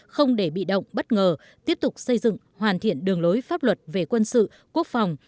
không để bị động bất ngờ tiếp tục xây dựng hoàn thiện đường lối pháp luật về quân sự quốc phòng